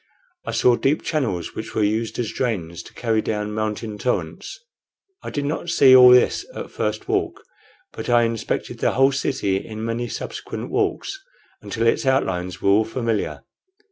I saw deep channels, which were used as drains to carry down mountain torrents. I did not see all at this first walk, but I inspected the whole city in many subsequent walks until its outlines were all familiar.